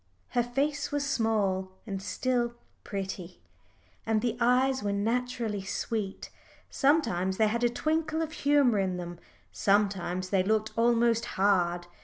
Her face was small and still pretty, and the eyes were naturally sweet, sometimes they had a twinkle of humour in them, sometimes they looked almost hard.